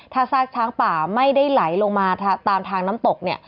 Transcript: ถ้าซากช้างป่าไม่ได้ไหลลงมาตามทางน้ำตกเนี่ย